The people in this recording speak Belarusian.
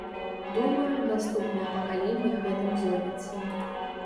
Думаю, наступнае пакаленне гэтым зоймецца.